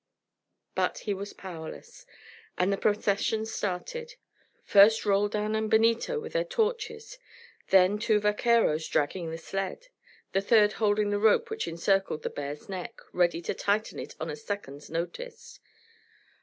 But he was powerless, and the procession started: first Roldan and Benito with their torches; then two vaqueros dragging the sled, the third holding the rope which encircled the bear's neck, ready to tighten it on a second's notice.